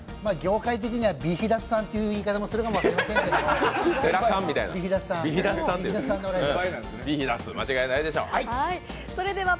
業界的にはビヒダスさんっていう言い方もするということで。